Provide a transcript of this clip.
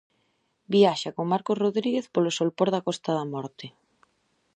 Viaxa con Marcos Rodríguez polo solpor da Costa da Morte.